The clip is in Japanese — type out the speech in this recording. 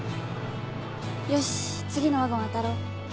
よし次のワゴン当たろう。